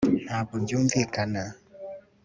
Ntabwo byumvikana